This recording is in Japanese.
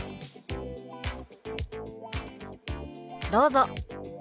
どうぞ。